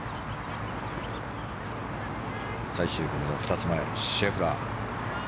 最終組の２つ前のシェフラー。